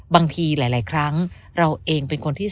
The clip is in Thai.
บางทีหลายครั้งเราเองเป็นคนที่๓